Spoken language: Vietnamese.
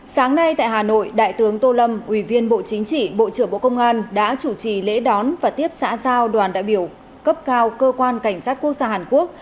sáng nay tại hà nội đại tướng tô lâm ủy viên bộ chính trị bộ trưởng bộ công an đã chủ trì lễ đón và tiếp xã giao đoàn đại biểu cấp cao cơ quan cảnh sát quốc gia hàn quốc